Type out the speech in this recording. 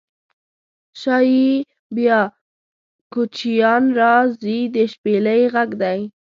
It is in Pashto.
شایي بیا کوچیان راځي د شپیلۍ غږدی